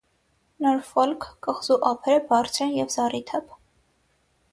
Նորֆոլք կղզու ափերը բարձր են և զառիթափ։